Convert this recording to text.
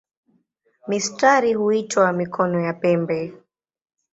Mistari huitwa "mikono" ya pembe.